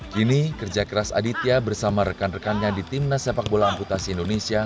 kini kerja keras aditya bersama rekan rekannya di timnas sepak bola amputasi indonesia